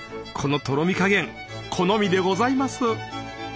このとろみ加減好みでございます。